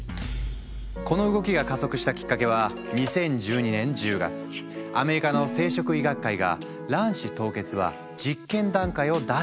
この動きが加速したきっかけは２０１２年１０月アメリカの生殖医学会が卵子凍結は実験段階を脱した！と宣言したから。